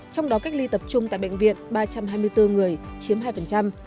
trong đó cách ly tập trung tại bệnh viện ba trăm hai mươi bốn người chiếm hai